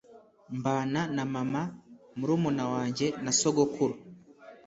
Mbana na mama, murumuna wanjye na sogokuru.